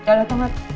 gak ada tempat